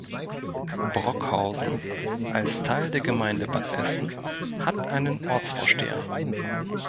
Brockhausen, als Teil der Gemeinde Bad Essen, hat einen Ortsvorsteher.